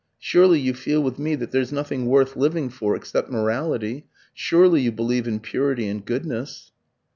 Surely you feel with me that there's nothing worth living for except morality? Surely you believe in purity and goodness?"